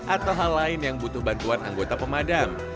atau hal lain yang butuh bantuan anggota pemadam